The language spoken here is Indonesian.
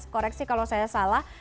koreksi kalau saya salah